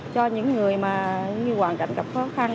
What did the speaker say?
cho những người mà như hoàn cảnh gặp khó khăn